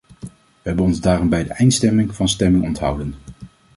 We hebben ons daarom bij de eindstemming van stemming onthouden.